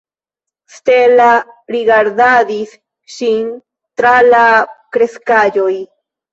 Stella rigardadis ŝin tra la kreskaĵoj.